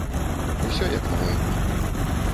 Усё, як на вайне.